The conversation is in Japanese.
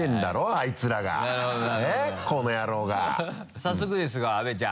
早速ですが阿部ちゃん。